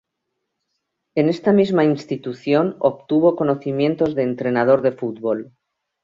En esta misma institución, obtuvo conocimientos de entrenador de fútbol.